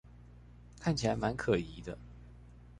看起來滿可疑的